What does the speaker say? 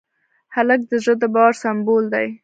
هلک د زړه د باور سمبول دی.